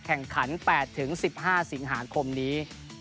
แข่งขัน๘๑๕สิงหาคมนี้